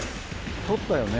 採ったよね。